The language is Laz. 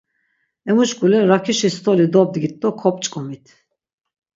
Emu şk̆ule rakişi stoli dobdgit do kop̆ç̆k̆omit.